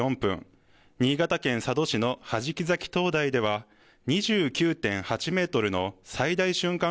新潟県佐渡市の弾崎灯台では２９．８メートルの最大瞬間